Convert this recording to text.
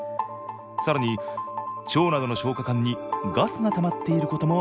さらに腸などの消化管にガスがたまっていることも判明。